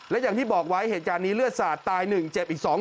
และอย่างที่บอกไว้เหตุการณ์นี้เลือดสาดตาย๑เจ็บอีก๒คน